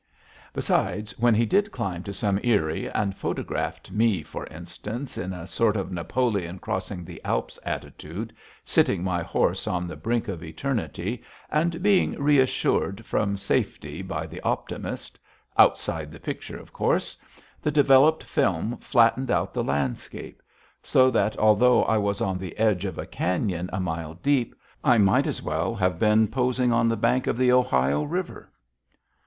Besides, when he did climb to some aerie, and photographed me, for instance, in a sort of Napoleon crossing the Alps attitude, sitting my horse on the brink of eternity and being reassured from safety by the Optimist outside the picture, of course the developed film flattened out the landscape. So that, although I was on the edge of a cañon a mile deep, I might as well have been posing on the bank of the Ohio River.